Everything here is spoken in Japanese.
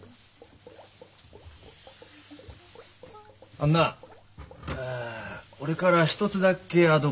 あのな俺から一つだけアドバイス。